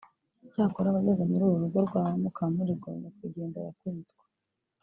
Icyakora abageze muri uru rugo rwa Mukamurigo nyakwigendera akubitwa